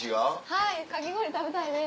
はいかき氷食べたいです。